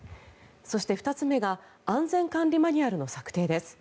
そして２つ目が安全管理マニュアルの策定です。